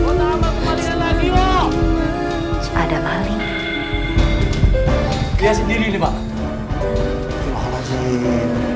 bunda itu kan cahaya banget sama kamu